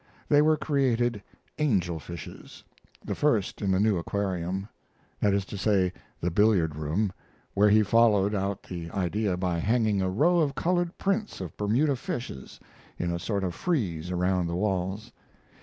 They were created "Angel Fishes" the first in the new aquarium; that is to say, the billiard room, where he followed out the idea by hanging a row of colored prints of Bermuda fishes in a sort of frieze around the walls.